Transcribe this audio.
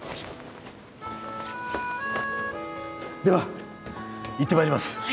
ではいってまいります